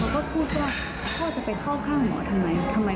เขาจะชอบมาด้วยอาการแพ้อะไรอย่างนี้